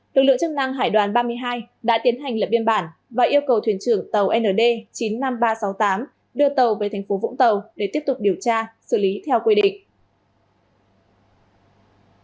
lực lượng chức năng hải đoàn ba mươi hai đã tiến hành lập biên bản và yêu cầu thuyền trưởng tàu nd chín mươi năm nghìn ba trăm sáu mươi tám đưa tàu về thành phố vũng tàu để tiếp tục điều tra xử lý theo quy định